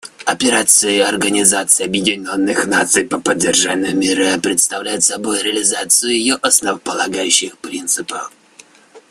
Операции Организации Объединенных Наций по поддержанию мира представляют собой реализацию ее основополагающих принципов.